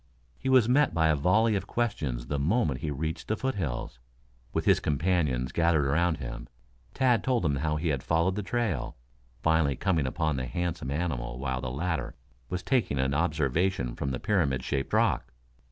He was met by a volley of questions the moment he reached the foothills. With his companions gathered about him, Tad told them how he had followed the trail, finally coming upon the handsome animal while the latter was taking an observation from the pyramid shaped rock.